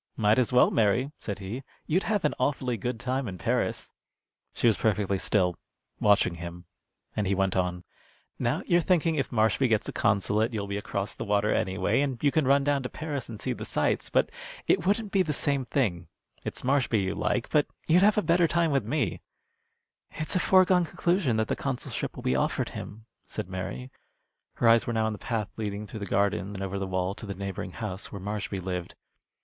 "Might as well, Mary," said he. "You'd have an awfully good time in Paris." She was perfectly still, watching him, and he went on: "Now you're thinking if Marshby gets the consulate you'll be across the water anyway, and you could run down to Paris and see the sights. But it wouldn't be the same thing. It's Marshby you like, but you'd have a better time with me." "It's a foregone conclusion that the consulship will be offered him," said Mary. Her eyes were now on the path leading through the garden and over the wall to the neighboring house where Marshby lived.